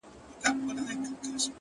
هسي بیا نه راځو!! اوس لا خُمار باسه!!